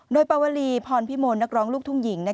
โดยปวลีพรพิมลนักร้องลูกทุ่งหญิง